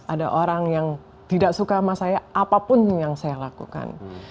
ada orang yang tidak suka sama saya apapun yang saya lakukan